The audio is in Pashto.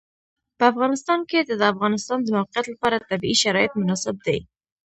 په افغانستان کې د د افغانستان د موقعیت لپاره طبیعي شرایط مناسب دي.